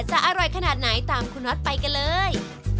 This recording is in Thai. อร่อยขนาดไหนตามคุณน็อตไปกันเลย